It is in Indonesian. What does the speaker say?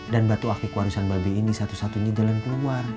batu aktif warisan babi ini satu satunya jalan keluar